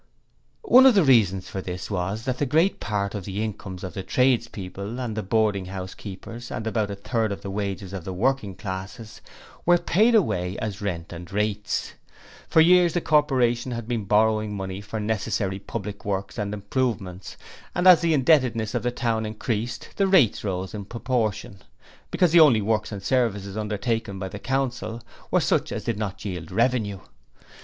One of the reasons for this was that a great part of the incomes of the tradespeople and boarding house keepers and about a third of the wages of the working classes were paid away as rent and rates. For years the Corporation had been borrowing money for necessary public works and improvements, and as the indebtedness of the town increased the rates rose in proportion, because the only works and services undertaken by the Council were such as did not yield revenue.